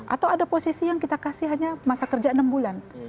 atau ada posisi yang kita kasih hanya masa kerja enam bulan